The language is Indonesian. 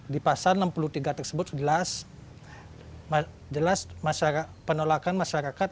di pasal enam puluh tiga tersebut jelas penolakan masyarakat